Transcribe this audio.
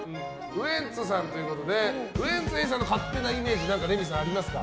ウエンツさんということでウエンツ瑛士さんの勝手なイメージ何かレミさん、ありますか？